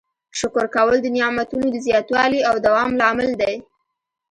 شکر کول د نعمتونو د زیاتوالي او دوام لامل دی.